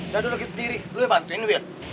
dadah lagi sendiri lu ngebantuin will